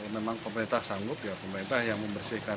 memang pemerintah sanggup ya pemerintah yang membersihkan